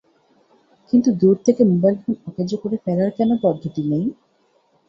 কিন্তু দূর থেকে মোবাইল ফোন অকেজো করে ফেলার কেনো পদ্ধতি নেই।